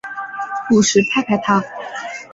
不时拍拍她